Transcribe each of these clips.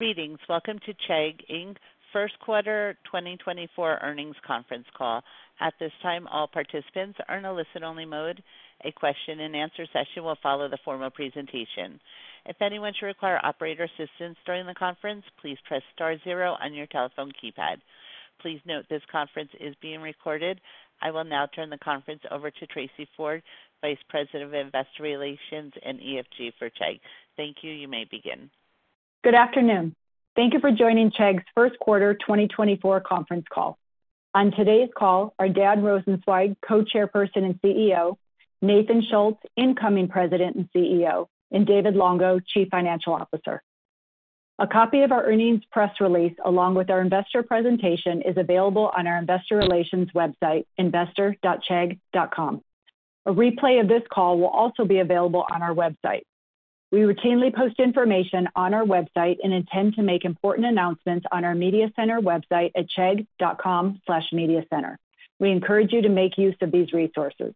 Greetings. Welcome to Chegg, Inc.'s first quarter 2024 earnings conference call. At this time, all participants are in a listen-only mode. A question-and-answer session will follow the formal presentation. If anyone should require operator assistance during the conference, please press star zero on your telephone keypad. Please note, this conference is being recorded. I will now turn the conference over to Tracey Ford, Vice President of Investor Relations and ESG for Chegg. Thank you. You may begin. Good afternoon. Thank you for joining Chegg's first quarter 2024 conference call. On today's call are Dan Rosensweig, Co-Chairperson and CEO, Nathan Schultz, Incoming President and CEO, and David Longo, Chief Financial Officer. A copy of our earnings press release, along with our investor presentation, is available on our Investor Relations website, investor.chegg.com. A replay of this call will also be available on our website. We routinely post information on our website and intend to make important announcements on our Media Center website at chegg.com/mediacenter. We encourage you to make use of these resources.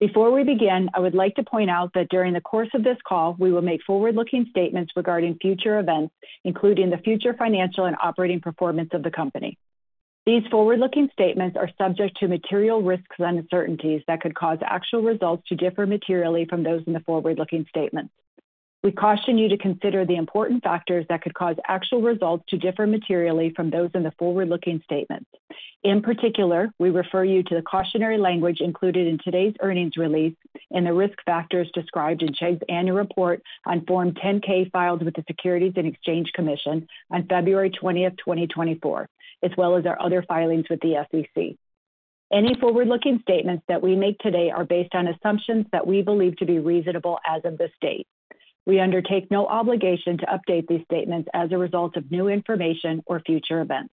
Before we begin, I would like to point out that during the course of this call, we will make forward-looking statements regarding future events, including the future financial and operating performance of the company. These forward-looking statements are subject to material risks and uncertainties that could cause actual results to differ materially from those in the forward-looking statements. We caution you to consider the important factors that could cause actual results to differ materially from those in the forward-looking statements. In particular, we refer you to the cautionary language included in today's earnings release and the risk factors described in Chegg's annual report on Form 10-K, filed with the Securities and Exchange Commission on February 20, 2024, as well as our other filings with the SEC. Any forward-looking statements that we make today are based on assumptions that we believe to be reasonable as of this date. We undertake no obligation to update these statements as a result of new information or future events.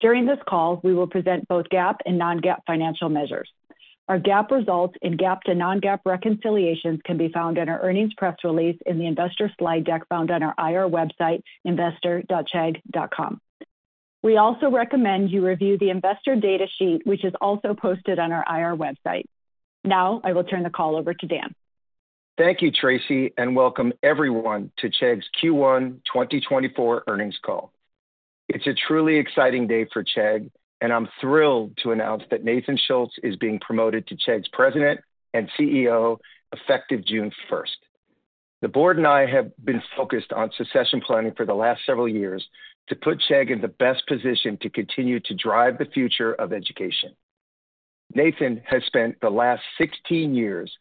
During this call, we will present both GAAP and non-GAAP financial measures. Our GAAP results and GAAP to non-GAAP reconciliations can be found in our earnings press release in the investor slide deck found on our IR website, investor.chegg.com. We also recommend you review the Investor Data Sheet, which is also posted on our IR website. Now, I will turn the call over to Dan. Thank you, Tracey, and welcome everyone to Chegg's Q1 2024 earnings call. It's a truly exciting day for Chegg, and I'm thrilled to announce that Nathan Schultz is being promoted to Chegg's President and CEO, effective June 1. The board and I have been focused on succession planning for the last several years to put Chegg in the best position to continue to drive the future of education. Nathan has spent the last 16 years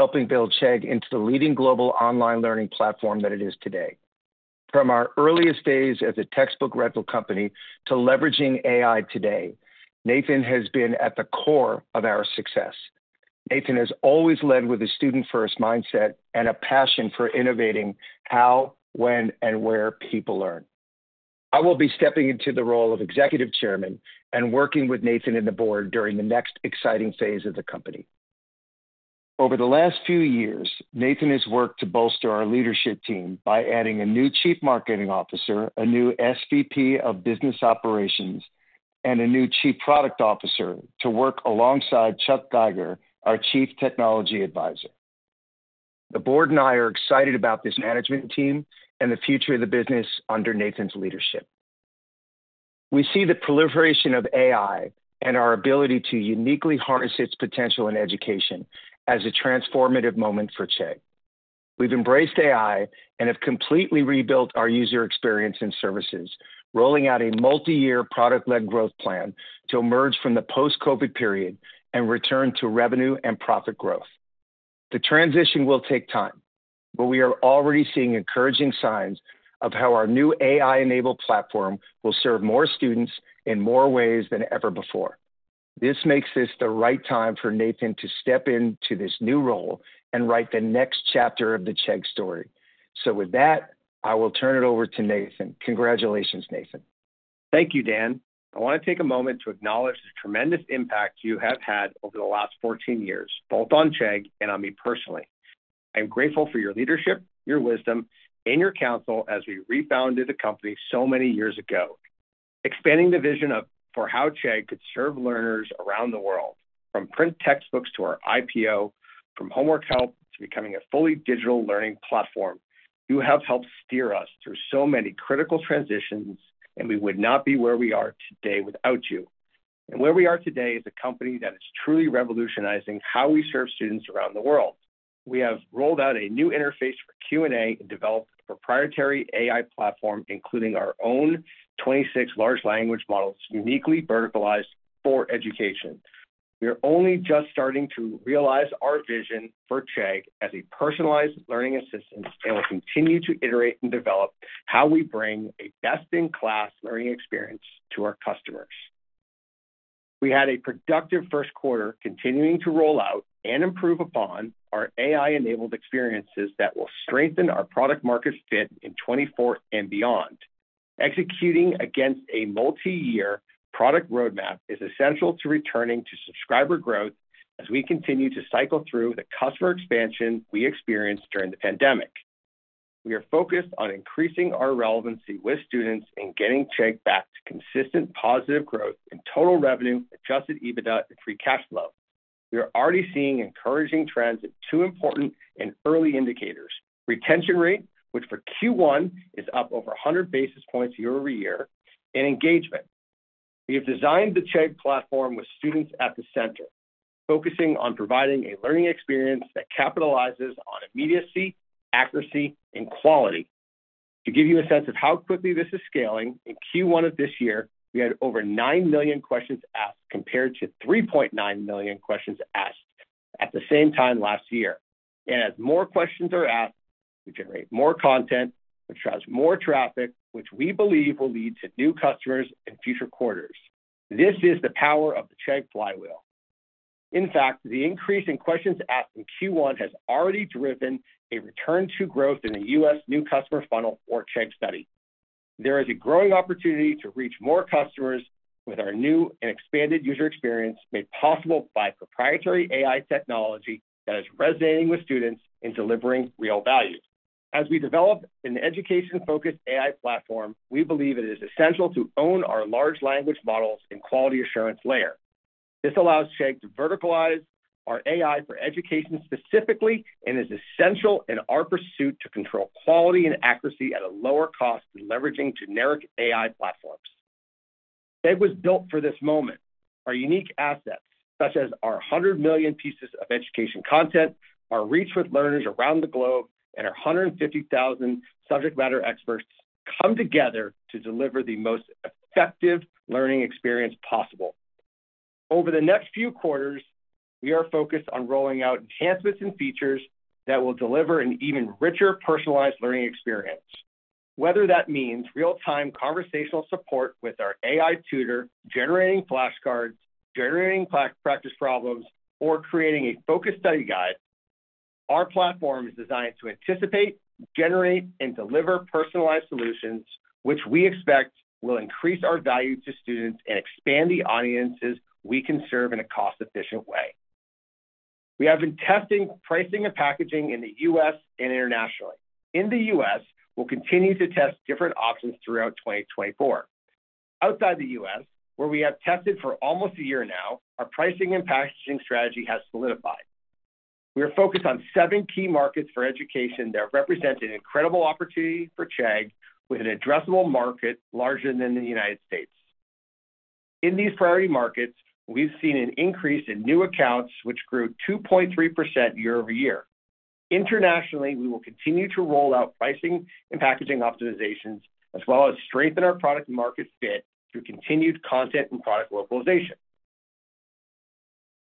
helping build Chegg into the leading global online learning platform that it is today. From our earliest days as a textbook rental company to leveraging AI today, Nathan has been at the core of our success. Nathan has always led with a student-first mindset and a passion for innovating how, when, and where people learn. I will be stepping into the role of Executive Chairman and working with Nathan and the board during the next exciting phase of the company. Over the last few years, Nathan has worked to bolster our leadership team by adding a new Chief Marketing Officer, a new SVP of Business Operations, and a new Chief Product Officer to work alongside Chuck Geiger, our Chief Technology Advisor. The board and I are excited about this management team and the future of the business under Nathan's leadership. We see the proliferation of AI and our ability to uniquely harness its potential in education as a transformative moment for Chegg. We've embraced AI and have completely rebuilt our user experience and services, rolling out a multi-year product-led growth plan to emerge from the post-COVID period and return to revenue and profit growth. The transition will take time, but we are already seeing encouraging signs of how our new AI-enabled platform will serve more students in more ways than ever before. This makes this the right time for Nathan to step into this new role and write the next chapter of the Chegg story. With that, I will turn it over to Nathan. Congratulations, Nathan. Thank you, Dan.I want to take a moment to acknowledge the tremendous impact you have had over the last 14 years, both on Chegg and on me personally. I am grateful for your leadership, your wisdom, and your counsel as we refounded the company so many years ago, expanding the vision for how Chegg could serve learners around the world, from print textbooks to our IPO, from homework help to becoming a fully digital learning platform. You have helped steer us through so many critical transitions, and we would not be where we are today without you. Where we are today is a company that is truly revolutionizing how we serve students around the world. We have rolled out a new interface for Q&A and developed a proprietary AI platform, including our own 26 large language models, uniquely verticalized for education. We are only just starting to realize our vision for Chegg as a personalized learning assistant, and we'll continue to iterate and develop how we bring a best-in-class learning experience to our customers. We had a productive first quarter, continuing to roll out and improve upon our AI-enabled experiences that will strengthen our product market fit in 2024 and beyond. Executing against a multiyear product roadmap is essential to returning to subscriber growth as we continue to cycle through the customer expansion we experienced during the pandemic. We are focused on increasing our relevancy with students and getting Chegg back to consistent positive growth in total revenue, Adjusted EBITDA, and Free Cash Flow.... We are already seeing encouraging trends at two important and early indicators: retention rate, which for Q1 is up over 100 basis points year-over-year, and engagement. We have designed the Chegg platform with students at the center, focusing on providing a learning experience that capitalizes on immediacy, accuracy, and quality. To give you a sense of how quickly this is scaling, in Q1 of this year, we had over 9 million questions asked, compared to 3.9 million questions asked at the same time last year. And as more questions are asked, we generate more content, which drives more traffic, which we believe will lead to new customers in future quarters. This is the power of the Chegg flywheel. In fact, the increase in questions asked in Q1 has already driven a return to growth in the U.S. new customer funnel for Chegg Study. There is a growing opportunity to reach more customers with our new and expanded user experience, made possible by proprietary AI technology that is resonating with students and delivering real value. As we develop an education-focused AI platform, we believe it is essential to own our large language models and quality assurance layer. This allows Chegg to verticalize our AI for education specifically, and is essential in our pursuit to control quality and accuracy at a lower cost than leveraging generic AI platforms. Chegg was built for this moment. Our unique assets, such as our 100 million pieces of education content, our reach with learners around the globe, and our 150,000 subject matter experts, come together to deliver the most effective learning experience possible. Over the next few quarters, we are focused on rolling out enhancements and features that will deliver an even richer, personalized learning experience. Whether that means real-time conversational support with our AI tutor, generating flashcards, generating practice problems, or creating a focused study guide, our platform is designed to anticipate, generate, and deliver personalized solutions, which we expect will increase our value to students and expand the audiences we can serve in a cost-efficient way. We have been testing pricing and packaging in the U.S. and internationally. In the U.S., we'll continue to test different options throughout 2024. Outside the U.S., where we have tested for almost a year now, our pricing and packaging strategy has solidified. We are focused on seven key markets for education that represent an incredible opportunity for Chegg, with an addressable market larger than the United States. In these priority markets, we've seen an increase in new accounts, which grew 2.3% year-over-year. Internationally, we will continue to roll out pricing and packaging optimizations, as well as strengthen our product market fit through continued content and product localization.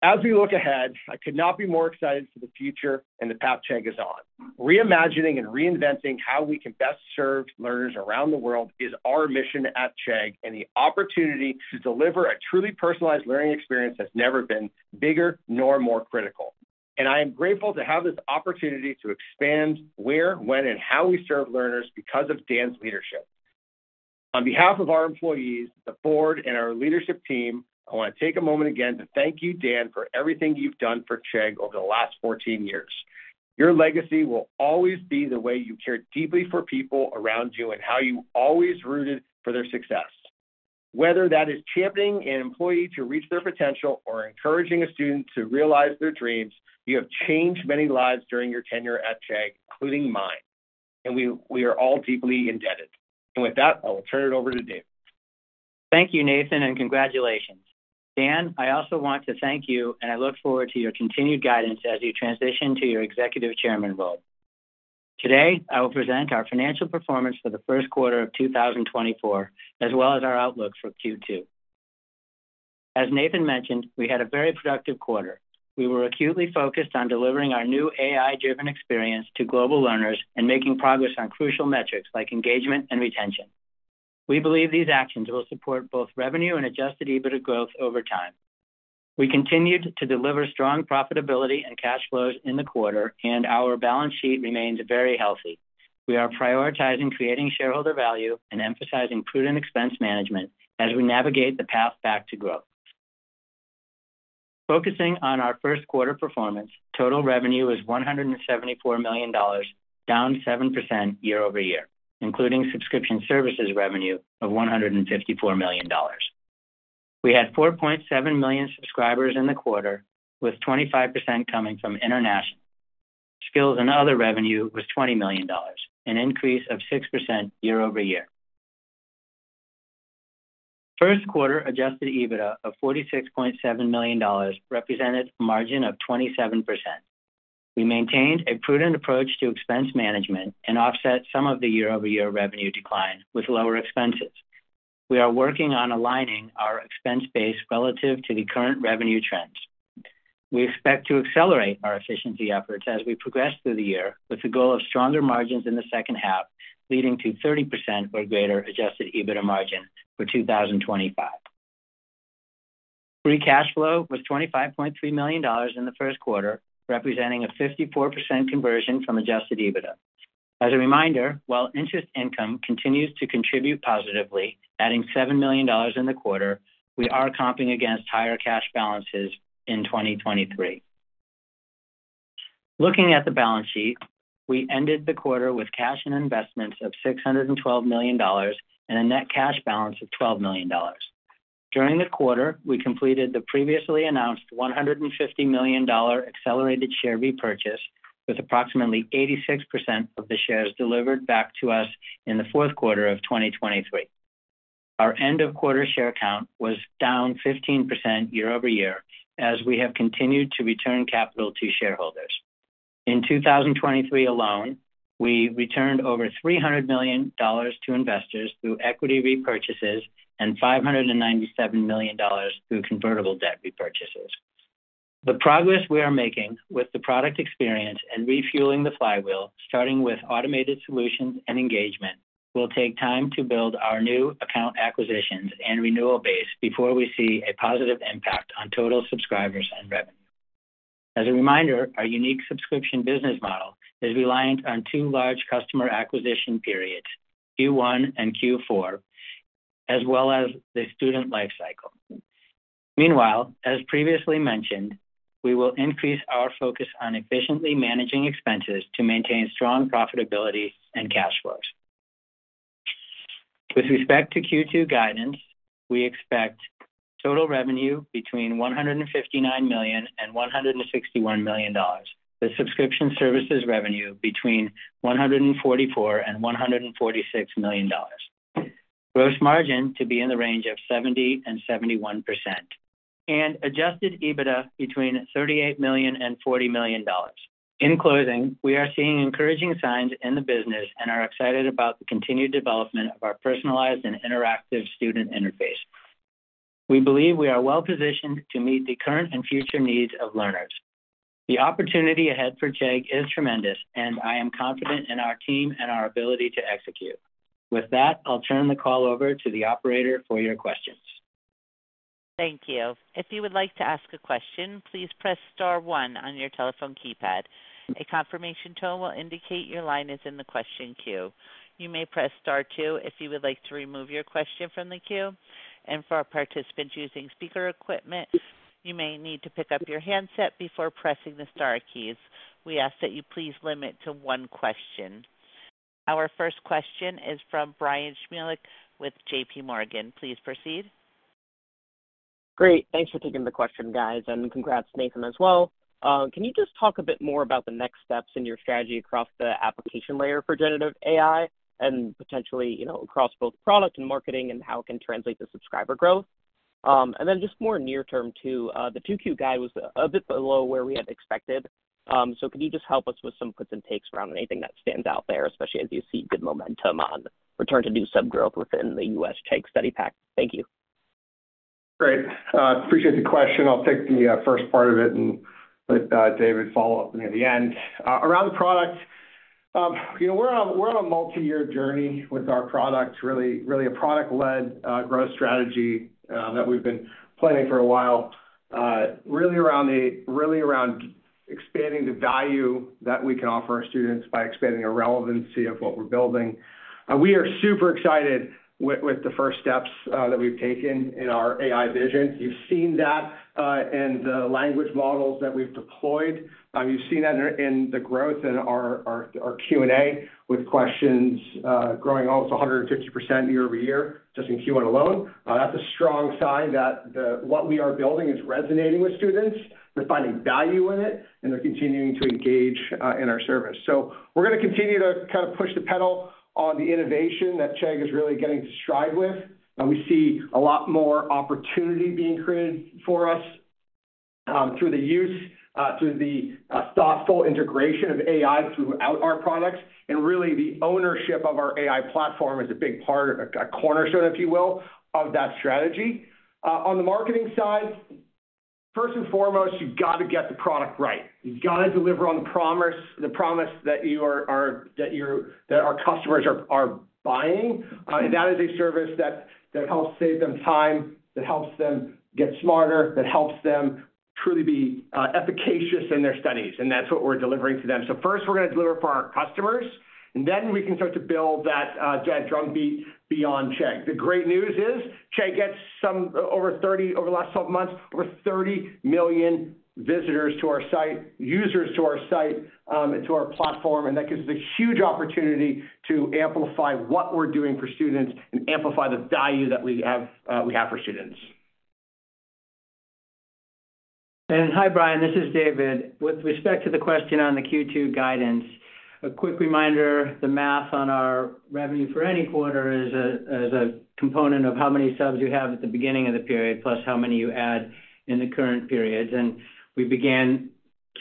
As we look ahead, I could not be more excited for the future, and the path Chegg is on. Reimagining and reinventing how we can best serve learners around the world is our mission at Chegg, and the opportunity to deliver a truly personalized learning experience has never been bigger nor more critical. And I am grateful to have this opportunity to expand where, when, and how we serve learners because of Dan's leadership. On behalf of our employees, the board, and our leadership team, I want to take a moment again to thank you, Dan, for everything you've done for Chegg over the last 14 years. Your legacy will always be the way you cared deeply for people around you and how you always rooted for their success. Whether that is championing an employee to reach their potential or encouraging a student to realize their dreams, you have changed many lives during your tenure at Chegg, including mine, and we are all deeply indebted. With that, I will turn it over to Dave. Thank you, Nathan, and congratulations. Dan, I also want to thank you, and I look forward to your continued guidance as you transition to your executive chairman role. Today, I will present our financial performance for the first quarter of 2024, as well as our outlook for Q2. As Nathan mentioned, we had a very productive quarter. We were acutely focused on delivering our new AI-driven experience to global learners and making progress on crucial metrics like engagement and retention. We believe these actions will support both revenue and Adjusted EBITDA growth over time. We continued to deliver strong profitability and cash flows in the quarter, and our balance sheet remains very healthy. We are prioritizing creating shareholder value and emphasizing prudent expense management as we navigate the path back to growth. Focusing on our first quarter performance, total revenue was $174 million, down 7% year-over-year, including Subscription Services revenue of $154 million. We had 4.7 million Subscribers in the quarter, with 25% coming from international. Skills and Other revenue was $20 million, an increase of 6% year-over-year. First quarter Adjusted EBITDA of $46.7 million represented a margin of 27%. We maintained a prudent approach to expense management and offset some of the year-over-year revenue decline with lower expenses. We are working on aligning our expense base relative to the current revenue trends. We expect to accelerate our efficiency efforts as we progress through the year, with the goal of stronger margins in the second half, leading to 30% or greater Adjusted EBITDA margin for 2025. Free cash flow was $25.3 million in the first quarter, representing a 54% conversion from Adjusted EBITDA. As a reminder, while interest income continues to contribute positively, adding $7 million in the quarter, we are comping against higher cash balances in 2023. Looking at the balance sheet, we ended the quarter with cash and investments of $612 million, and a net cash balance of $12 million. During the quarter, we completed the previously announced $150 million accelerated share repurchase, with approximately 86% of the shares delivered back to us in the fourth quarter of 2023. Our end-of-quarter share count was down 15% year-over-year, as we have continued to return capital to shareholders. In 2023 alone, we returned over $300 million to investors through equity repurchases and $597 million through convertible debt repurchases. The progress we are making with the product experience and refueling the flywheel, starting with automated solutions and engagement, will take time to build our new account acquisitions and renewal base before we see a positive impact on total subscribers and revenue. As a reminder, our unique subscription business model is reliant on two large customer acquisition periods, Q1 and Q4, as well as the student life cycle. Meanwhile, as previously mentioned, we will increase our focus on efficiently managing expenses to maintain strong profitability and cash flows. With respect to Q2 guidance, we expect total revenue between $159 million and $161 million. The Subscription Services revenue between $144 million and $146 million. Gross margin to be in the range of 70% and 71%, and Adjusted EBITDA between $38 million and $40 million. In closing, we are seeing encouraging signs in the business and are excited about the continued development of our personalized and interactive student interface. We believe we are well-positioned to meet the current and future needs of learners. The opportunity ahead for Chegg is tremendous, and I am confident in our team and our ability to execute. With that, I'll turn the call over to the operator for your questions. Thank you. If you would like to ask a question, please press star one on your telephone keypad. A confirmation tone will indicate your line is in the question queue. You may press star two if you would like to remove your question from the queue, and for our participants using speaker equipment, you may need to pick up your handset before pressing the star keys. We ask that you please limit to one question. Our first question is from Bryan Smilek with JP Morgan. Please proceed. Great. Thanks for taking the question, guys, and congrats, Nathan, as well. Can you just talk a bit more about the next steps in your strategy across the application layer for generative AI and potentially, you know, across both product and marketing and how it can translate to subscriber growth? And then just more near term, too, the 2Q guide was a bit below where we had expected. So could you just help us with some puts and takes around anything that stands out there, especially as you see good momentum on return to new sub growth within the U.S. Chegg Study Pack? Thank you. Great. Appreciate the question. I'll take the first part of it and let David follow up near the end. Around the product, you know, we're on, we're on a multiyear journey with our product, really, really a product-led growth strategy that we've been planning for a while. Really around expanding the value that we can offer our students by expanding the relevancy of what we're building. We are super excited with the first steps that we've taken in our AI vision. You've seen that in the language models that we've deployed. You've seen that in the growth in our Q&A, with questions growing almost 150% year-over-year, just in Q1 alone. That's a strong sign that what we are building is resonating with students, they're finding value in it, and they're continuing to engage in our service. So we're gonna continue to kind of push the pedal on the innovation that Chegg is really getting to stride with. And we see a lot more opportunity being created for us through the thoughtful integration of AI throughout our products, and really, the ownership of our AI platform is a big part, a cornerstone, if you will, of that strategy. On the marketing side, first and foremost, you've got to get the product right. You've got to deliver on the promise, the promise that our customers are buying. And that is a service that, that helps save them time, that helps them get smarter, that helps them truly be efficacious in their studies, and that's what we're delivering to them. So first, we're gonna deliver for our customers, and then we can start to build that drumbeat beyond Chegg. The great news is, Chegg gets over the last 12 months, over 30 million visitors to our site, users to our site, and to our platform, and that gives us a huge opportunity to amplify what we're doing for students and amplify the value that we have, we have for students. And hi, Brian, this is David. With respect to the question on the Q2 guidance, a quick reminder, the math on our revenue for any quarter is a component of how many subs you have at the beginning of the period, plus how many you add in the current periods. And we began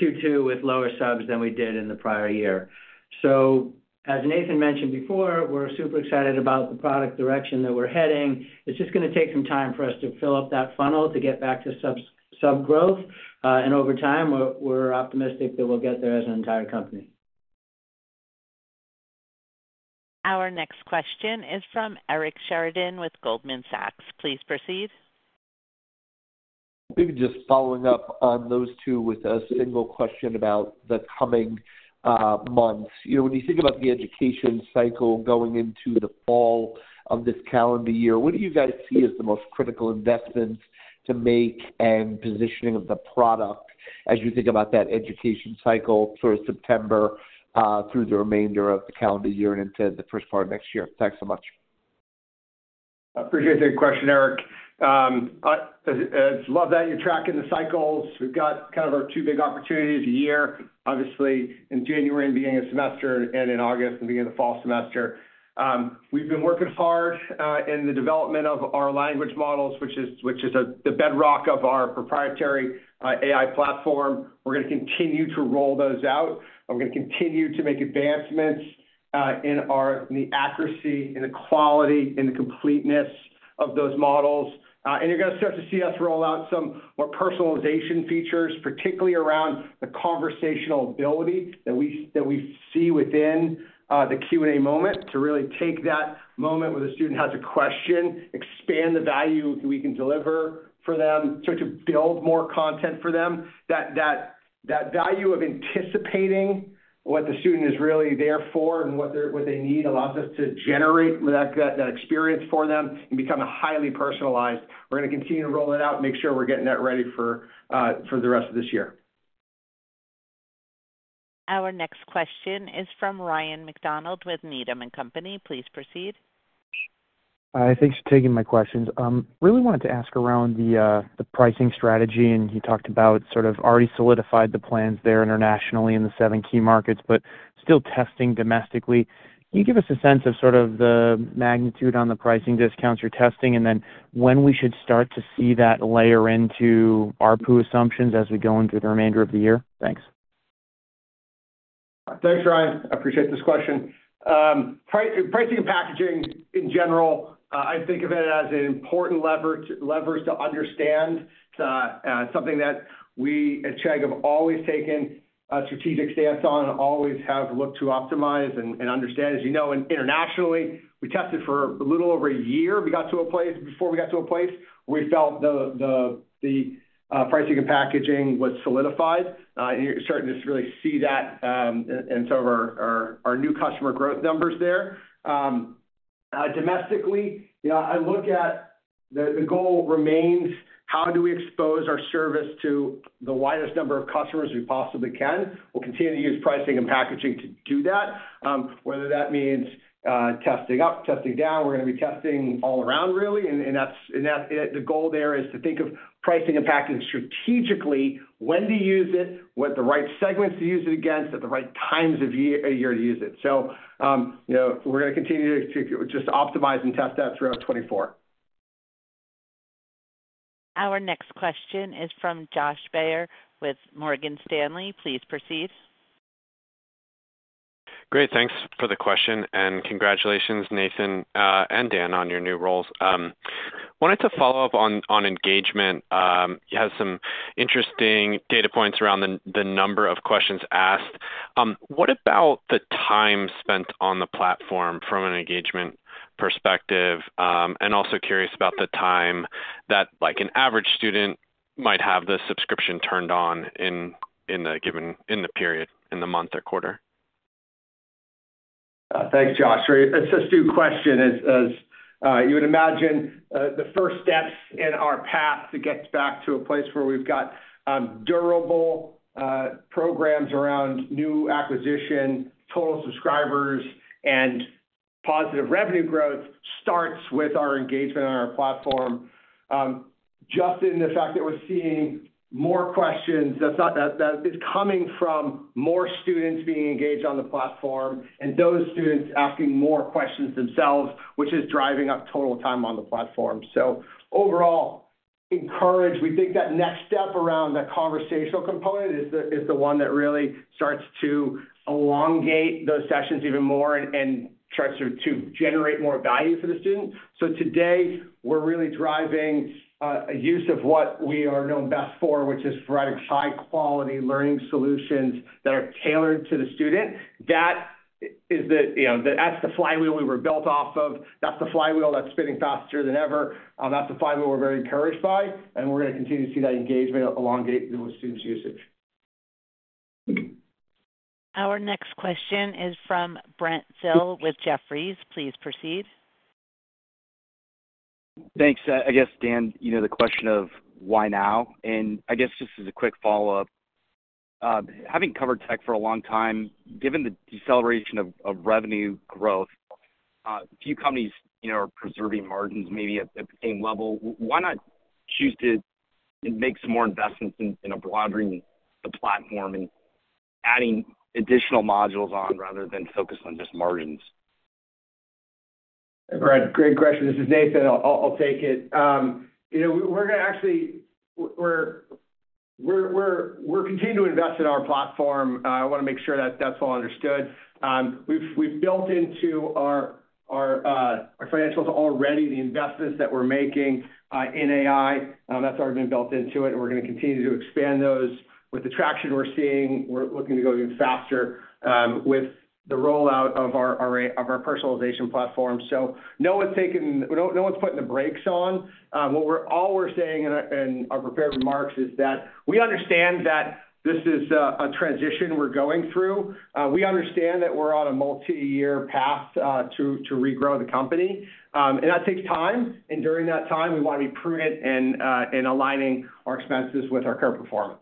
Q2 with lower subs than we did in the prior year. So as Nathan mentioned before, we're super excited about the product direction that we're heading. It's just gonna take some time for us to fill up that funnel to get back to sub growth. And over time, we're optimistic that we'll get there as an entire company. Our next question is from Eric Sheridan with Goldman Sachs. Please proceed.... Maybe just following up on those two with a single question about the coming months. You know, when you think about the education cycle going into the fall of this calendar year, what do you guys see as the most critical investments to make and positioning of the product as you think about that education cycle through September, through the remainder of the calendar year and into the first part of next year? Thanks so much. I appreciate the question, Eric. I love that you're tracking the cycles. We've got kind of our two big opportunities a year, obviously, in January, in the beginning of semester, and in August, in the beginning of the fall semester. We've been working hard in the development of our language models, which is the bedrock of our proprietary AI platform. We're going to continue to roll those out. We're going to continue to make advancements in the accuracy, in the quality, in the completeness of those models. And you're going to start to see us roll out some more personalization features, particularly around the conversational ability that we see within the Q&A moment, to really take that moment where the student has a question, expand the value we can deliver for them, so to build more content for them. That value of anticipating what the student is really there for and what they need allows us to generate that experience for them and become highly personalized. We're going to continue to roll it out and make sure we're getting that ready for the rest of this year. Our next question is from Ryan MacDonald with Needham & Company. Please proceed. Hi, thanks for taking my questions. Really wanted to ask around the, the pricing strategy, and you talked about sort of already solidified the plans there internationally in the seven key markets, but still testing domestically. Can you give us a sense of sort of the magnitude on the pricing discounts you're testing, and then when we should start to see that layer into ARPU assumptions as we go into the remainder of the year? Thanks. Thanks, Ryan. I appreciate this question. Pricing and packaging, in general, I think of it as an important lever to understand. Something that we at Chegg have always taken a strategic stance on and always have looked to optimize and understand. As you know, internationally, we tested for a little over a year. Before we got to a place, we felt the pricing and packaging was solidified, and you're starting to really see that in some of our new customer growth numbers there. Domestically, you know, I look at the goal remains: how do we expose our service to the widest number of customers we possibly can? We'll continue to use pricing and packaging to do that. Whether that means testing up, testing down, we're going to be testing all around, really, and that's the goal there is to think of pricing and packaging strategically, when to use it, what the right segments to use it against, at the right times of year, a year to use it. So, you know, we're going to continue to just optimize and test that throughout 2024. Our next question is from Josh Baer with Morgan Stanley. Please proceed. Great, thanks for the question, and congratulations, Nathan, and Dan, on your new roles. Wanted to follow up on, on engagement. You had some interesting data points around the number of questions asked. What about the time spent on the platform from an engagement perspective? And also curious about the time that, like, an average student might have the subscription turned on in the period, in the month or quarter. Thanks, Josh. It's a two question. As you would imagine, the first steps in our path to get back to a place where we've got durable programs around new acquisition, total subscribers, and positive revenue growth starts with our engagement on our platform. Just in the fact that we're seeing more questions, that is coming from more students being engaged on the platform and those students asking more questions themselves, which is driving up total time on the platform. So overall, encouraged. We think that next step around that conversational component is the one that really starts to elongate those sessions even more and starts to generate more value for the student. So today, we're really driving a use of what we are known best for, which is providing high-quality learning solutions that are tailored to the student. That is the, you know, that's the flywheel we were built off of. That's the flywheel that's spinning faster than ever. That's the flywheel we're very encouraged by, and we're going to continue to see that engagement elongate the students' usage. Our next question is from Brent Thill with Jefferies. Please proceed. Thanks. I guess, Dan, you know, the question of why now? I guess just as a quick follow-up, having covered tech for a long time, given the deceleration of revenue growth, a few companies, you know, are preserving margins maybe at the same level. Why not choose to make some more investments in broadening the platform and adding additional modules on, rather than focus on just margins? Brad, great question. This is Nathan. I'll, I'll take it. You know, we're going to actually- we're-... We're continuing to invest in our platform. I wanna make sure that that's well understood. We've, we've built into our financials already the investments that we're making in AI. That's already been built into it, and we're gonna continue to expand those. With the traction we're seeing, we're looking to go even faster with the rollout of our personalization platform. So no one's taking-- no, no one's putting the brakes on. What we're all saying in our prepared remarks is that we understand that this is a transition we're going through. We understand that we're on a multiyear path to regrow the company, and that takes time, and during that time, we wanna be prudent in aligning our expenses with our current performance.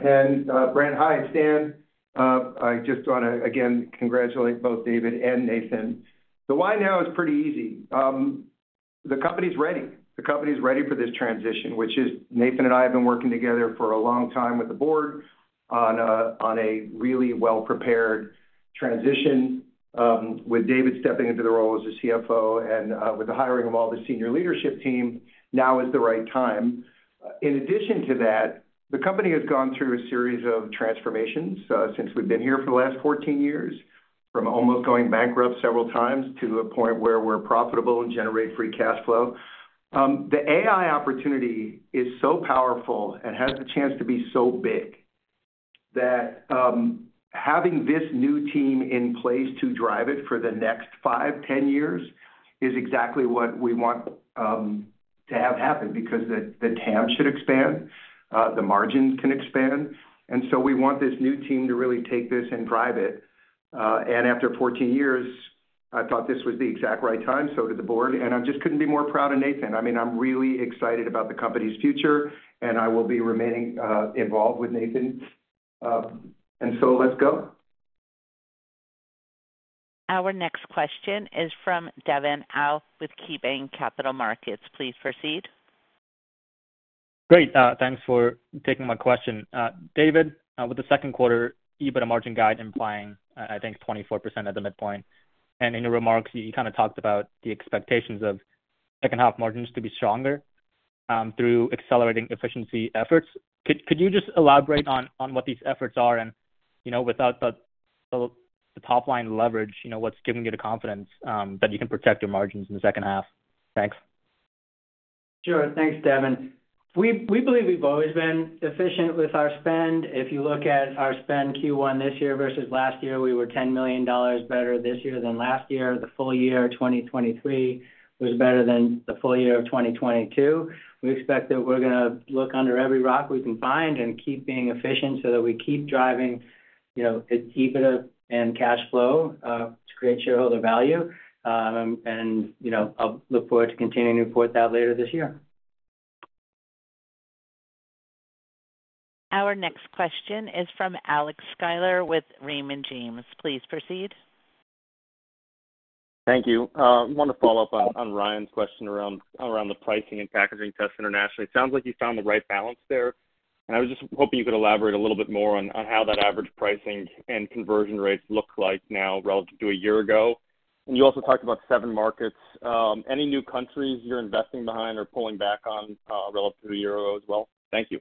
Brent, hi, it's Dan. I just wanna, again, congratulate both David and Nathan. The why now is pretty easy. The company's ready. The company's ready for this transition, which is, Nathan and I have been working together for a long time with the board on a really well-prepared transition. With David stepping into the role as the CFO and with the hiring of all the senior leadership team, now is the right time. In addition to that, the company has gone through a series of transformations, since we've been here for the last 14 years, from almost going bankrupt several times to a point where we're profitable and generate free cash flow. The AI opportunity is so powerful and has the chance to be so big that, having this new team in place to drive it for the next 5, 10 years is exactly what we want, to have happen, because the TAM should expand, the margins can expand, and so we want this new team to really take this and drive it. And after 14 years, I thought this was the exact right time, so did the board, and I just couldn't be more proud of Nathan. I mean, I'm really excited about the company's future, and I will be remaining, involved with Nathan. So, let's go. Our next question is from Devin Au with KeyBanc Capital Markets. Please proceed. Great. Thanks for taking my question. David, with the second quarter, EBITDA margin guide implying, I think, 24% at the midpoint, and in your remarks, you kinda talked about the expectations of second half margins to be stronger, through accelerating efficiency efforts. Could, could you just elaborate on, on what these efforts are and, you know, without the, the top line leverage, you know, what's giving you the confidence, that you can protect your margins in the second half? Thanks. Sure. Thanks, Devin. We, we believe we've always been efficient with our spend. If you look at our spend Q1 this year versus last year, we were $10 million better this year than last year. The full year, 2023, was better than the full year of 2022. We expect that we're gonna look under every rock we can find and keep being efficient so that we keep driving, you know, EBITDA and cash flow to create shareholder value. And, you know, I'll look forward to continuing to report that later this year. Our next question is from Alex Sklar with Raymond James. Please proceed. Thank you. I wanna follow up on Ryan's question around the pricing and packaging test internationally. It sounds like you found the right balance there, and I was just hoping you could elaborate a little bit more on how that average pricing and conversion rates look like now relative to a year ago. And you also talked about seven markets. Any new countries you're investing behind or pulling back on, relative to a year ago as well? Thank you.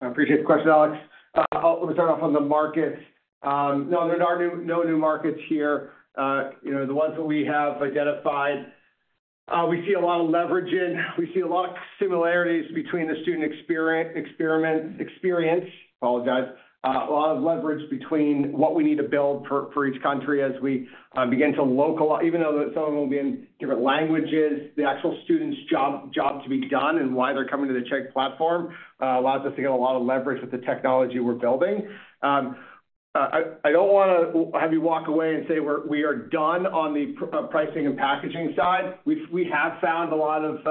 I appreciate the question, Alex. Let me start off on the markets. No, there are no new markets here. You know, the ones that we have identified, we see a lot of leverage in. We see a lot of similarities between the student experience, apologize. A lot of leverage between what we need to build for each country as we begin to localize. Even though some of them will be in different languages, the actual students' job to be done and why they're coming to the Chegg platform allows us to get a lot of leverage with the technology we're building. I don't wanna have you walk away and say we're done on the pricing and packaging side. We've found a lot of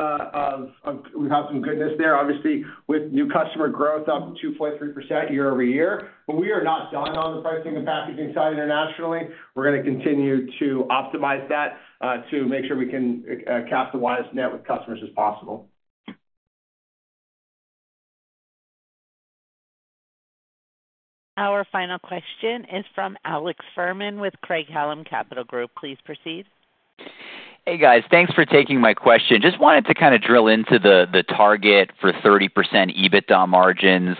goodness there, obviously, with new customer growth up 2.3% year-over-year. But we are not done on the pricing and packaging side internationally. We're gonna continue to optimize that to make sure we can capture the widest net with customers as possible. Our final question is from Alex Fuhrman with Craig-Hallum Capital Group. Please proceed. Hey, guys. Thanks for taking my question. Just wanted to kinda drill into the target for 30% EBITDA margins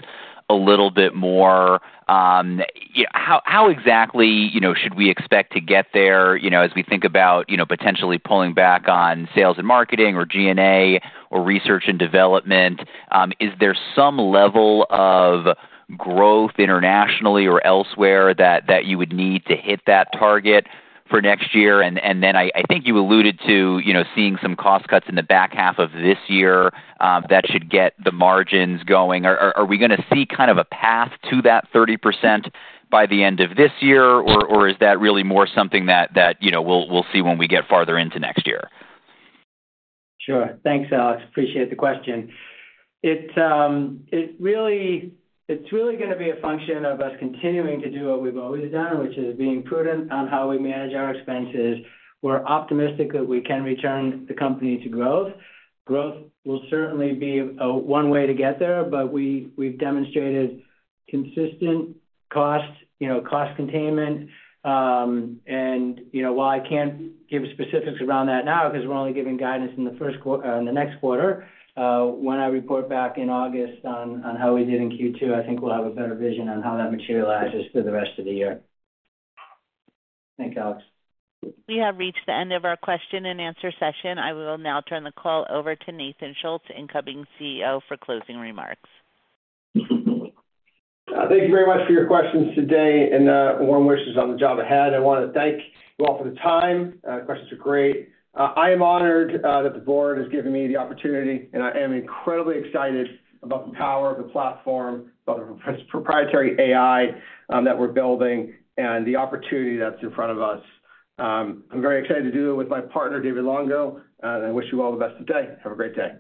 a little bit more. Yeah, how exactly, you know, should we expect to get there, you know, as we think about, you know, potentially pulling back on sales and marketing or G&A or research and development? Is there some level of growth internationally or elsewhere that you would need to hit that target for next year? And then I think you alluded to, you know, seeing some cost cuts in the back half of this year that should get the margins going. Are we gonna see kind of a path to that 30% by the end of this year, or is that really more something that, you know, we'll see when we get farther into next year? Sure. Thanks, Alex. Appreciate the question. It's really gonna be a function of us continuing to do what we've always done, which is being prudent on how we manage our expenses. We're optimistic that we can return the company to growth. Growth will certainly be one way to get there, but we, we've demonstrated consistent cost, you know, cost containment. And, you know, while I can't give specifics around that now, because we're only giving guidance in the next quarter, when I report back in August on how we did in Q2, I think we'll have a better vision on how that materializes through the rest of the year. Thanks, Alex. We have reached the end of our question and answer session. I will now turn the call over to Nathan Schultz, incoming CEO, for closing remarks. Thank you very much for your questions today, and warm wishes on the job ahead. I wanna thank you all for the time. The questions are great. I am honored that the board has given me the opportunity, and I am incredibly excited about the power of the platform, about the proprietary AI that we're building and the opportunity that's in front of us. I'm very excited to do it with my partner, David Longo, and I wish you all the best today. Have a great day.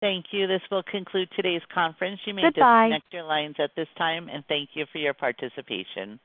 Thank you. This will conclude today's conference. Goodbye. You may disconnect your lines at this time, and thank you for your participation.